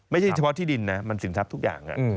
ไม่ใช่เฉพาะที่ดินนะมันสินทรัพย์ทุกอย่าง